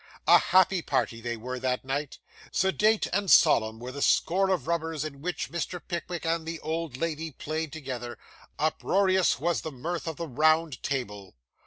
A happy party they were, that night. Sedate and solemn were the score of rubbers in which Mr. Pickwick and the old lady played together; uproarious was the mirth of the round table.